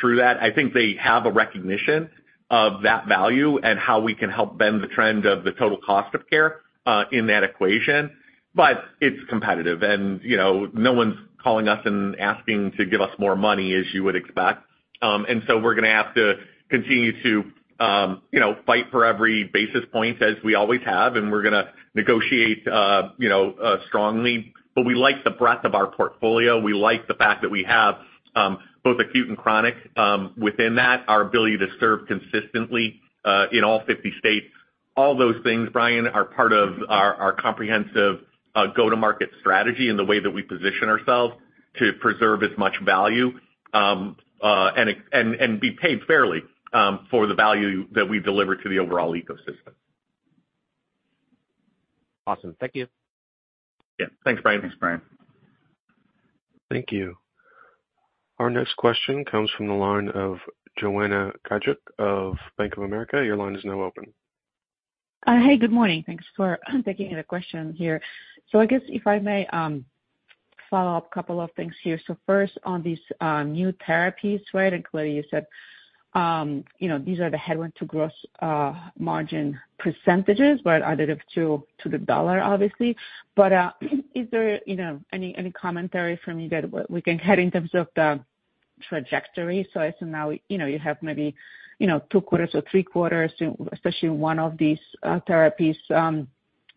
[SPEAKER 8] through that, I think they have a recognition of that value and how we can help bend the trend of the total cost of care in that equation. But it's competitive, and, you know, no one's calling us and asking to give us more money, as you would expect. And so we're gonna have to continue to, you know, fight for every basis point, as we always have, and we're gonna negotiate strongly. But we like the breadth of our portfolio. We like the fact that we have both acute and chronic, within that, our ability to serve consistently in all 50 states. All those things, Brian, are part of our comprehensive go-to-market strategy and the way that we position ourselves to preserve as much value and be paid fairly for the value that we deliver to the overall ecosystem.
[SPEAKER 10] Awesome. Thank you.
[SPEAKER 3] Yeah. Thanks, Brian.
[SPEAKER 11] Thanks, Brian.
[SPEAKER 1] Thank you. Our next question comes from the line of Joanna Gajuk of Bank of America. Your line is now open.
[SPEAKER 12] Hey, good morning. Thanks for taking the question here. So I guess if I may, follow up a couple of things here. So first, on these new therapies, right, and clearly, you said, you know, these are the headwind to gross margin percentages, but additive to, to the dollar, obviously. But, is there, you know, any commentary from you that we can have in terms of the trajectory? So as of now, you know, you have maybe, you know, two quarters or three quarters, especially one of these therapies,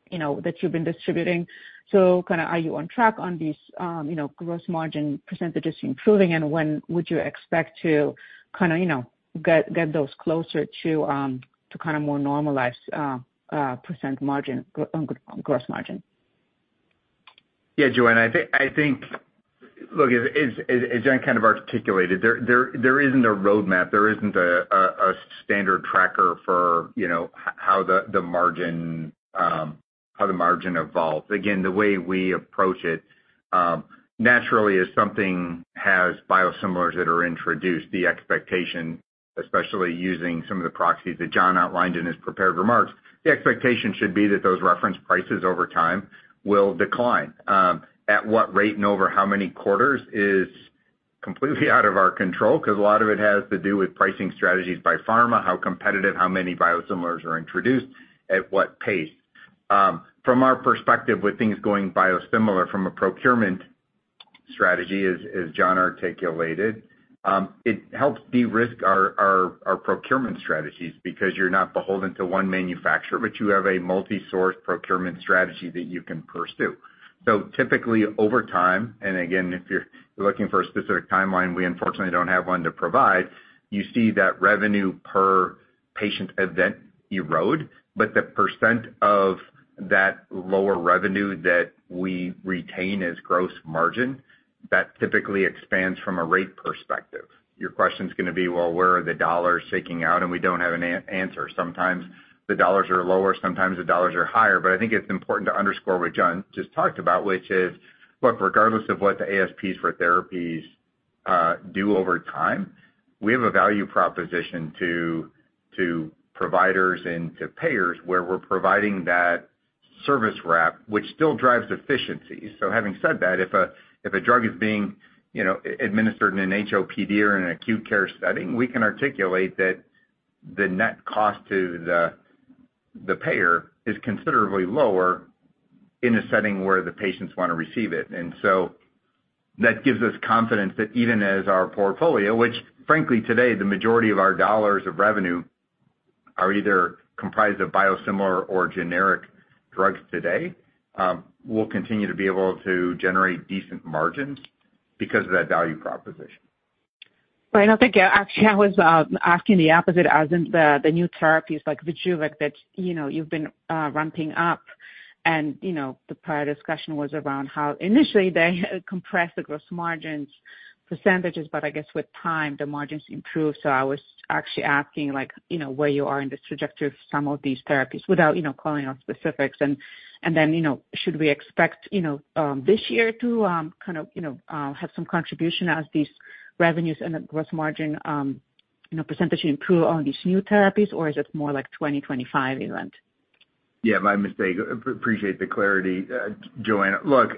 [SPEAKER 12] you know, that you've been distributing. So kinda are you on track on these, you know, gross margin percentages improving, and when would you expect to kind of, you know, get those closer to, to kind of more normalized, percent margin on gross margin?
[SPEAKER 4] Yeah, Joanna, I think. Look, as John kind of articulated, there isn't a roadmap, there isn't a standard tracker for, you know, how the margin evolves. Again, the way we approach it, naturally, as something has biosimilars that are introduced, the expectation, especially using some of the proxies that John outlined in his prepared remarks, the expectation should be that those reference prices over time will decline. At what rate and over how many quarters is completely out of our control, 'cause a lot of it has to do with pricing strategies by pharma, how competitive, how many biosimilars are introduced, at what pace. From our perspective, with things going biosimilar from a procurement strategy, as John articulated, it helps de-risk our procurement strategies because you're not beholden to one manufacturer, but you have a multi-source procurement strategy that you can pursue. So typically, over time, and again, if you're looking for a specific timeline, we unfortunately don't have one to provide, you see that revenue per patient event erode, but the percent of that lower revenue that we retain as gross margin, that typically expands from a rate perspective. Your question's gonna be, well, where are the dollars shaking out? And we don't have an answer. Sometimes the dollars are lower, sometimes the dollars are higher. But I think it's important to underscore what John just talked about, which is, look, regardless of what the ASPs for therapies do over time, we have a value proposition to providers and to payers, where we're providing that service wrap, which still drives efficiency. So having said that, if a drug is being, you know, administered in an HOPD or in an acute care setting, we can articulate that the net cost to the payer is considerably lower in a setting where the patients want to receive it. And so that gives us confidence that even as our portfolio, which frankly, today, the majority of our dollars of revenue are either comprised of biosimilar or generic drugs today, we'll continue to be able to generate decent margins because of that value proposition.
[SPEAKER 12] Right. I think actually, I was asking the opposite, as in the new therapies like Vyjuvek, that, you know, you've been ramping up, and, you know, the prior discussion was around how initially they compressed the gross margins percentages, but I guess with time, the margins improved. So I was actually asking like, you know, where you are in the trajectory of some of these therapies without, you know, calling out specifics. And then, you know, should we expect, you know, this year to kind of, you know, have some contribution as these revenues and the gross margin, you know, percentage improve on these new therapies, or is it more like 2025 event?
[SPEAKER 4] Yeah, my mistake. Appreciate the clarity, Joanna. Look,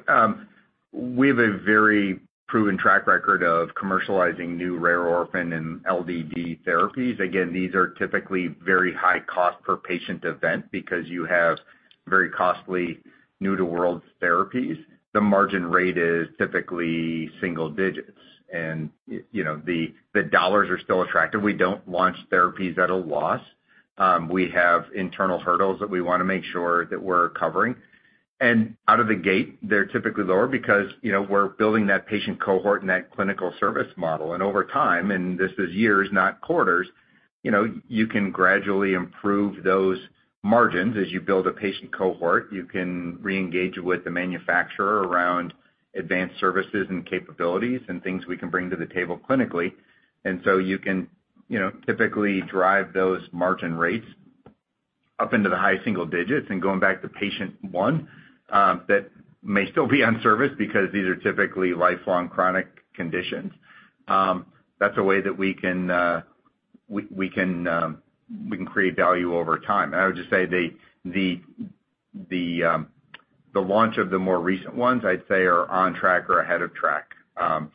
[SPEAKER 4] we have a very proven track record of commercializing new rare orphan and LDD therapies. Again, these are typically very high cost per patient event because you have very costly new-to-world therapies. The margin rate is typically single digits, and you know, the dollars are still attractive. We don't launch therapies at a loss. We have internal hurdles that we wanna make sure that we're covering. And out of the gate, they're typically lower because, you know, we're building that patient cohort and that clinical service model. And over time, and this is years, not quarters, you know, you can gradually improve those margins as you build a patient cohort. You can reengage with the manufacturer around advanced services and capabilities and things we can bring to the table clinically. You can, you know, typically drive those margin rates up into the high single digits, and going back to patient one, that may still be on service because these are typically lifelong chronic conditions. That's a way that we can create value over time. And I would just say the launch of the more recent ones, I'd say, are on track or ahead of track,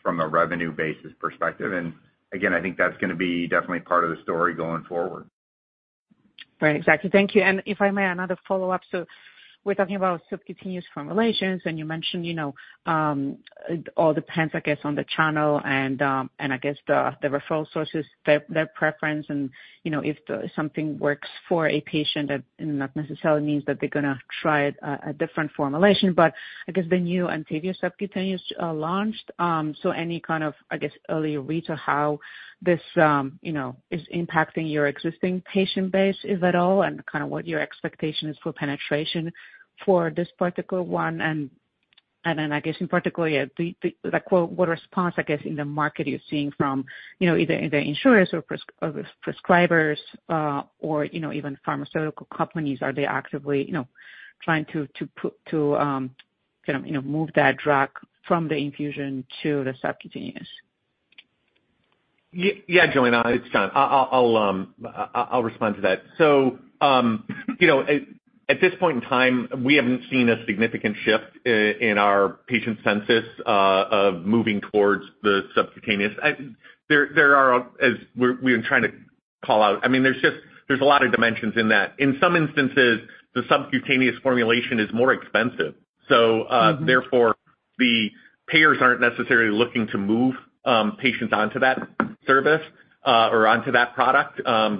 [SPEAKER 4] from a revenue basis perspective. And again, I think that's gonna be definitely part of the story going forward.
[SPEAKER 12] Right, exactly. Thank you. And if I may, another follow-up. So we're talking about subcutaneous formulations, and you mentioned, you know, it all depends, I guess, on the channel and, and I guess the referral sources, their preference, and, you know, if something works for a patient, that not necessarily means that they're gonna try a different formulation. But I guess the new Entyvio subcutaneous launched, so any kind of, I guess, early read to how this, you know, is impacting your existing patient base, if at all, and kind of what your expectation is for penetration for this particular one? And then I guess, in particular, yeah, like what response, I guess, in the market you're seeing from, you know, either the insurers or prescribers, or, you know, even pharmaceutical companies. Are they actively, you know, trying to kind of, you know, move that drug from the infusion to the subcutaneous?
[SPEAKER 3] Yeah, Joanna, it's John. I'll respond to that. So, you know, at this point in time, we haven't seen a significant shift in our patient census of moving towards the subcutaneous. There are, as we've been trying to call out... I mean, there's just a lot of dimensions in that. In some instances, the subcutaneous formulation is more expensive. So,
[SPEAKER 12] Mm-hmm....
[SPEAKER 3] therefore, the payers aren't necessarily looking to move, patients onto that service, or onto that product,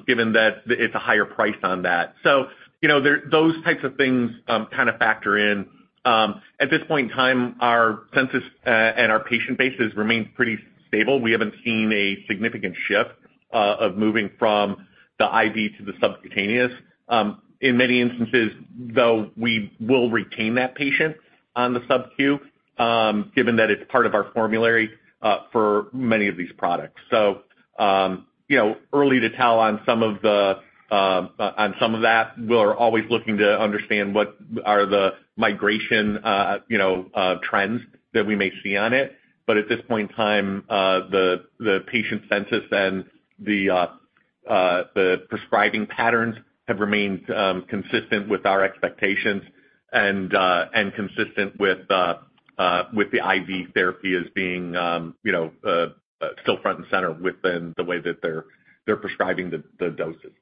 [SPEAKER 3] given that it's a higher price on that. So, you know, there, those types of things, kind of factor in. At this point in time, our census, and our patient bases remain pretty stable. We haven't seen a significant shift, of moving from the IV to the subcutaneous. In many instances, though, we will retain that patient on the subQ, given that it's part of our formulary, for many of these products. So, you know, early to tell on some of the, on some of that. We're always looking to understand what are the migration, you know, trends that we may see on it. But at this point in time, the patient census and the prescribing patterns have remained consistent with our expectations and consistent with the IV therapy as being, you know, still front and center within the way that they're prescribing the doses.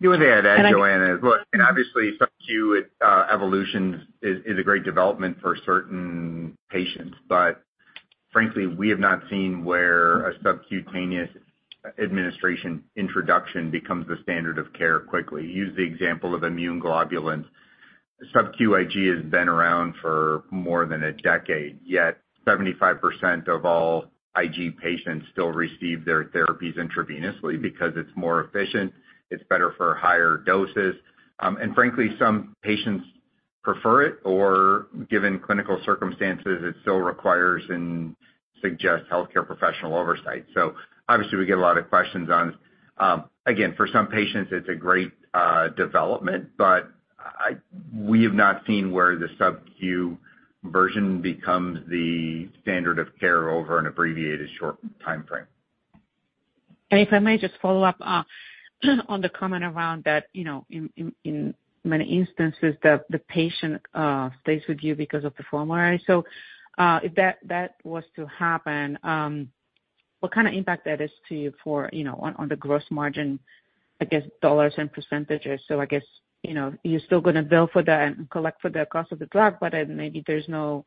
[SPEAKER 4] Let me add to that, Joanna, as well. I mean, obviously, subQ evolution is a great development for certain patients, but frankly, we have not seen where a subcutaneous administration introduction becomes the standard of care quickly. Use the example of immune globulin. SubQ IG has been around for more than a decade, yet 75% of all IG patients still receive their therapies intravenously because it's more efficient, it's better for higher doses, and frankly, some patients prefer it, or given clinical circumstances, it still requires and suggests healthcare professional oversight. So obviously, we get a lot of questions on... Again, for some patients, it's a great development, but I- we have not seen where the subQ version becomes the standard of care over an abbreviated short timeframe.
[SPEAKER 12] If I may just follow up on the comment around that, you know, in many instances, the patient stays with you because of the formulary. So, if that was to happen, what kind of impact that is to you for, you know, on the gross margin, I guess, dollars and percentages? So I guess, you know, you're still gonna bill for that and collect for the cost of the drug, but then maybe there's no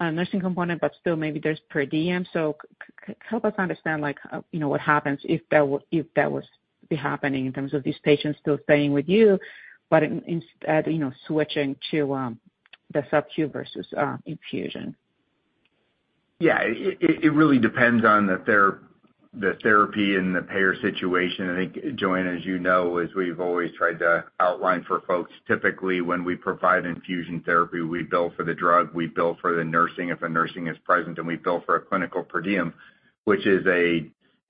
[SPEAKER 12] nursing component, but still maybe there's per diem. So help us understand, like, you know, what happens if that was to be happening in terms of these patients still staying with you, but instead, you know, switching to the subq versus infusion.
[SPEAKER 4] Yeah, it really depends on the therapy and the payer situation. I think, Joanna, as you know, as we've always tried to outline for folks, typically, when we provide infusion therapy, we bill for the drug, we bill for the nursing if the nursing is present, and we bill for a clinical per diem, which is.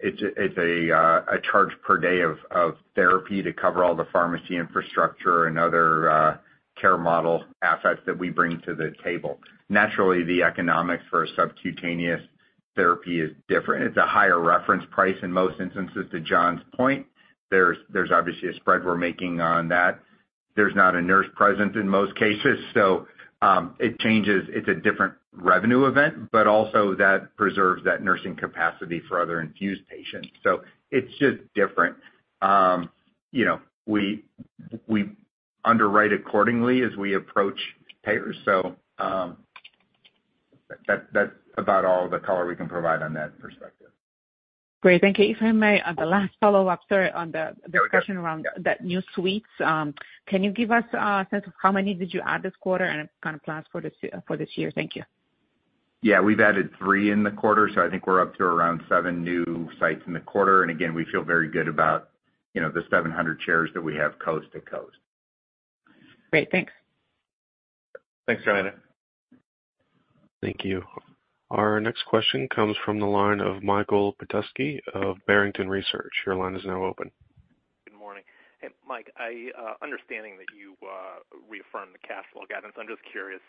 [SPEAKER 4] It's a charge per day of therapy to cover all the pharmacy infrastructure and other care model assets that we bring to the table. Naturally, the economics for a subcutaneous therapy is different. It's a higher reference price in most instances, to John's point. There's obviously a spread we're making on that. There's not a nurse present in most cases, so it changes. It's a different revenue event, but also that preserves that nursing capacity for other infused patients. It's just different. You know, we underwrite accordingly as we approach payers. That's about all the color we can provide on that perspective.
[SPEAKER 12] Great. Thank you. If I may, the last follow-up, sorry, on the question around that new suites. Can you give us a sense of how many did you add this quarter and kind of plans for this year? Thank you.
[SPEAKER 4] Yeah, we've added 3 in the quarter, so I think we're up to around 7 new sites in the quarter. And again, we feel very good about, you know, the 700 chairs that we have coast to coast.
[SPEAKER 12] Great, thanks.
[SPEAKER 1] Thanks, Joanna. Thank you. Our next question comes from the line of Michael Petusky of Barrington Research. Your line is now open.
[SPEAKER 11] Good morning. Hey, Mike, I understand that you reaffirmed the cash flow guidance. I'm just curious,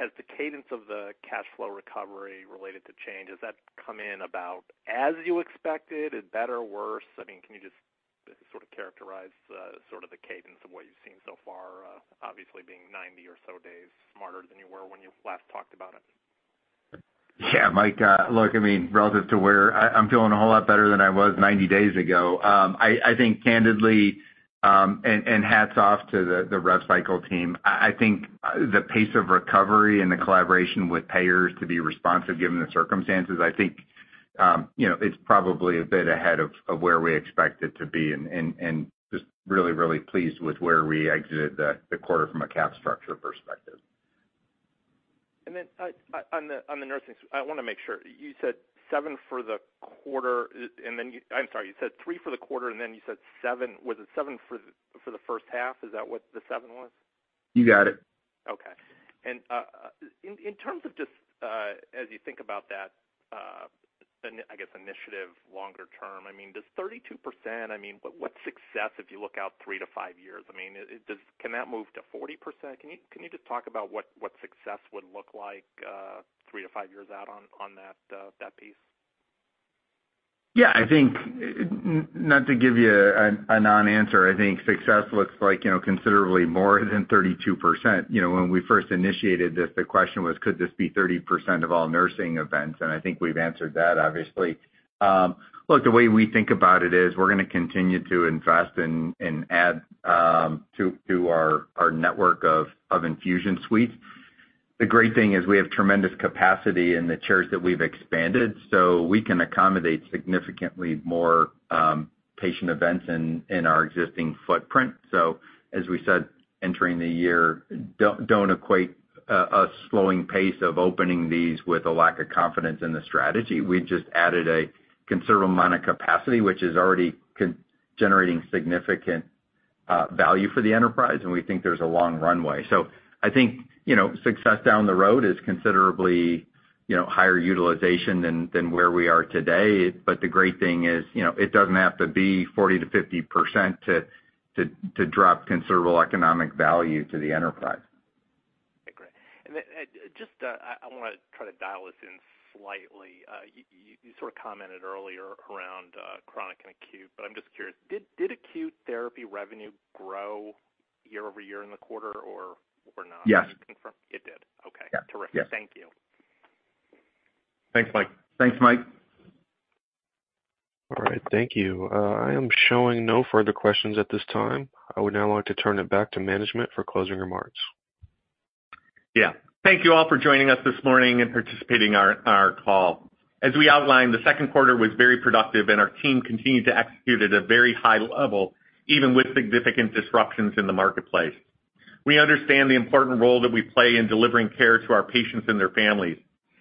[SPEAKER 11] has the cadence of the cash flow recovery related to Change, has that come in about as you expected, is better or worse? I mean, can you just sort of characterize sort of the cadence of what you've seen so far, obviously being 90 or so days smarter than you were when you last talked about it?
[SPEAKER 4] Yeah, Mike, look, I mean, relative to where I, I'm feeling a whole lot better than I was 90 days ago. I, I think candidly, and, and hats off to the, the rev cycle team. I, I think, the pace of recovery and the collaboration with payers to be responsive, given the circumstances, I think, you know, it's probably a bit ahead of, of where we expect it to be, and, and, and just really, really pleased with where we exited the, the quarter from a cap structure perspective.
[SPEAKER 11] And then, on the nursing, I want to make sure, you said seven for the quarter, and then you-- I'm sorry, you said three for the quarter, and then you said seven. Was it seven for the first half? Is that what the seven was?
[SPEAKER 4] You got it.
[SPEAKER 11] Okay. And in terms of just as you think about that, I guess, initiative longer term, I mean, does 32%, I mean, what's success if you look out 3 to 5 years? I mean, can that move to 40%? Can you, can you just talk about what success would look like 3 to 5 years out on that piece?
[SPEAKER 4] Yeah, I think, not to give you a non-answer, I think success looks like, you know, considerably more than 32%. You know, when we first initiated this, the question was, could this be 30% of all nursing events? And I think we've answered that, obviously. Look, the way we think about it is we're going to continue to invest and add to our network of infusion suites. The great thing is we have tremendous capacity in the chairs that we've expanded, so we can accommodate significantly more patient events in our existing footprint. So as we said, entering the year, don't equate us slowing pace of opening these with a lack of confidence in the strategy. We just added a considerable amount of capacity, which is already generating significant value for the enterprise, and we think there's a long runway. So I think, you know, success down the road is considerably, you know, higher utilization than where we are today. But the great thing is, you know, it doesn't have to be 40%-50% to drop considerable economic value to the enterprise.
[SPEAKER 11] Okay, great. And then, just, I want to try to dial this in slightly. You sort of commented earlier around chronic and acute, but I'm just curious, did acute therapy revenue grow year-over-year in the quarter or not?
[SPEAKER 4] Yes.
[SPEAKER 11] It did. Okay.
[SPEAKER 4] Yeah.
[SPEAKER 11] Terrific. Thank you.
[SPEAKER 4] Thanks, Mike.
[SPEAKER 3] Thanks, Mike.
[SPEAKER 1] All right, thank you. I am showing no further questions at this time. I would now like to turn it back to management for closing remarks.
[SPEAKER 3] Yeah. Thank you all for joining us this morning and participating in our call. As we outlined, the second quarter was very productive, and our team continued to execute at a very high level, even with significant disruptions in the marketplace. We understand the important role that we play in delivering care to our patients and their families,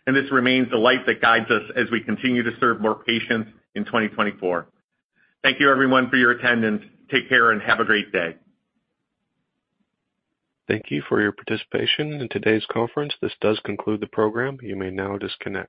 [SPEAKER 3] and this remains the light that guides us as we continue to serve more patients in 2024. Thank you everyone for your attendance. Take care and have a great day.
[SPEAKER 1] Thank you for your participation in today's conference. This does conclude the program. You may now disconnect.